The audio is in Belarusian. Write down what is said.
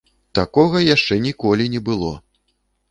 Такога яшчэ ніколі не было!